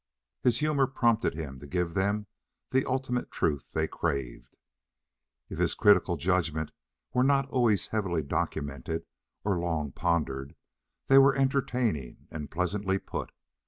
His humour prompted him to give them the ultimate truth they craved. If his critical judgments were not always heavily documented or long pondered, they were entertaining and pleasantly put.